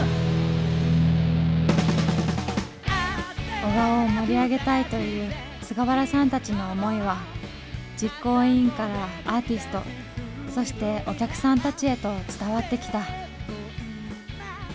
男鹿を盛り上げたいという菅原さんたちの思いは実行委員からアーティストそしてお客さんたちへと伝わってきた。